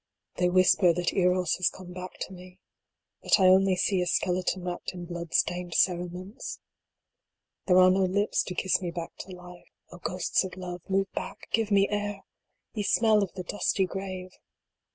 They whisper that Eros has come back to me. But I only see a skeleton wrapped in blood stained cere ments. DRIFTS THAT BAR MY DOOR. 71 There are no lips to kiss me back to life. O ghosts of Love, move back give me air ! Ye smell of the dusty grave.